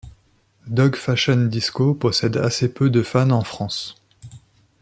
Dog Fashion Disco possède assez peu de fans en France.